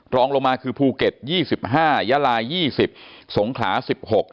ตรองลงมาคือภูเก็ต๒๕รายยาลาย๒๐รายสงขา๑๖ราย